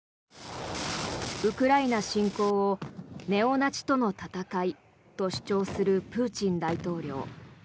ウクライナ侵攻をネオナチとの戦いと主張するプーチン大統領。